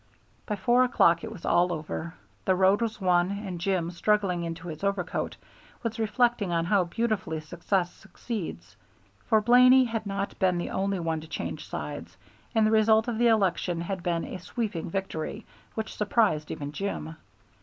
By four o'clock it was all over; the road was won, and Jim, struggling into his overcoat, was reflecting on how beautifully success succeeds. For Blaney had not been the only one to change sides, and the result of the election had been a sweeping victory, which surprised even Jim.